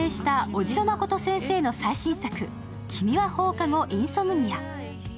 オジロマコト先生の最新作、「君は放課後インソムニア」。